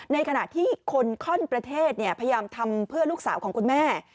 ในขณะที่คนข้อนประเทศพยายามทำเพื่อลูกสาวของคุณแม่